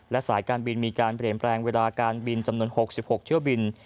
และสายการบินมีการเปลี่ยนแปลงเวลาการบินจำนวน๖๖เที่ยวบิน